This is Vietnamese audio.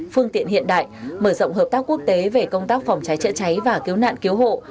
phương tiện hiện đại mở rộng hợp tác quốc tế về công tác phòng cháy chữa cháy và cứu nạn cứu hộ